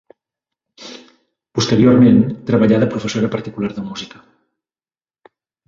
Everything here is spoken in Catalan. Posteriorment, treballà de professora particular de música.